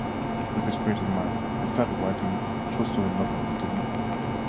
With his creative mind, he started writing short stories and novels in Telugu.